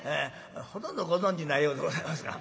ほとんどご存じないようでございますが。